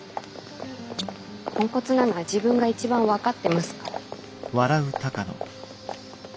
ポンコツなのは自分が一番分かってますから。